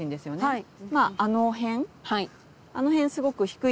はい。